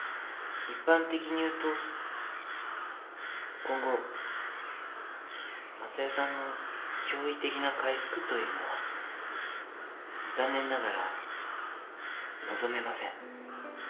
一般的にいうと今後昌代さんの驚異的な回復というのは残念ながら望めません。